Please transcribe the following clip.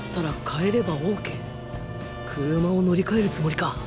車を乗り換えるつもりか？